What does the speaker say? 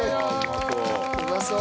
うまそう。